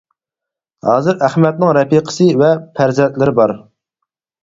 ھازىر ئەخمەتنىڭ رەپىقىسى ۋە پەرزەنتلىرى بار.